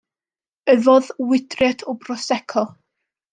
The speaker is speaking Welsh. Yfodd wydriad o brosecco.